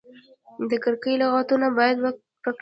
د کرکې لغتونه باید ورک شي.